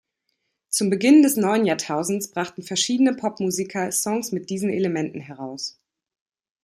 Zum Beginn des neuen Jahrtausends brachten verschiedene Popmusiker Songs mit diesen Elementen heraus.